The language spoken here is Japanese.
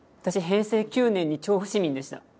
私平成９年に調布市民でした。